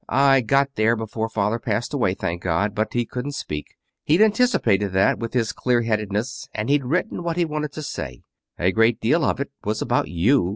I got there before father passed away thank God! But he couldn't speak. He'd anticipated that with his clear headedness, and he'd written what he wanted to say. A great deal of it was about you.